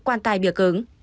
quan tài bìa cứng